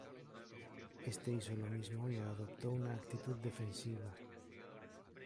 Éste hizo lo mismo y adoptó una actitud defensiva.